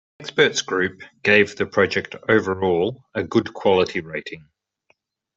An experts group gave the project overall a good quality rating.